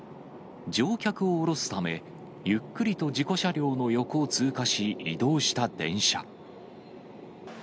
乗客を降ろすため、ゆっくりと事故車両の横を通過し、移動した電車。